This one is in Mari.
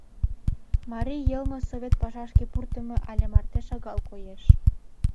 Марий йылме Совет пашашке пуртымо але марте шагал коеш.